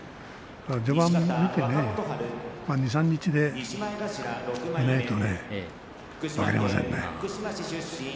序盤を見て２、３日見ないと分かりませんね。